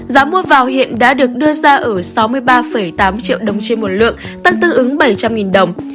giá mua vào hiện đã được đưa ra ở sáu mươi ba tám triệu đồng trên một lượng